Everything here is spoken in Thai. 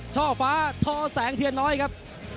ช่อฟ้าทอแสงเทียนน้อยครับ